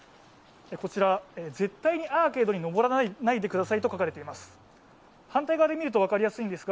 絶対にアーケードに登らないでくださいと書かれています。